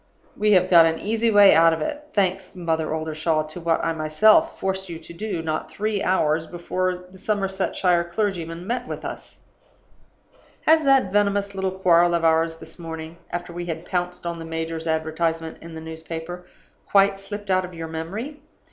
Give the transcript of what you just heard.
We have got an easy way out of it thanks, Mother Oldershaw, to what I myself forced you to do, not three hours before the Somersetshire clergyman met with us. "Has that venomous little quarrel of ours this morning after we had pounced on the major's advertisement in the newspaper quite slipped out of your memory?